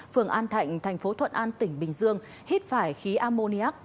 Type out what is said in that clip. phường an thạnh thành phố thuận an tỉnh bình dương hít phải khí ammoniac